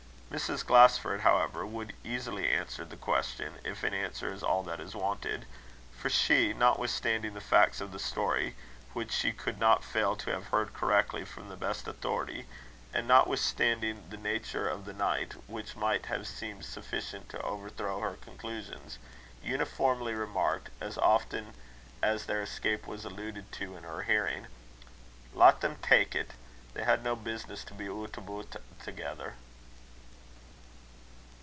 Mrs. Glasford, however, would easily answer the question, if an answer is all that is wanted; for she, notwithstanding the facts of the story, which she could not fail to have heard correctly from the best authority, and notwithstanding the nature of the night, which might have seemed sufficient to overthrow her conclusions, uniformly remarked, as often as their escape was alluded to in her hearing, "Lat them tak' it They had no business to be oot aboot thegither."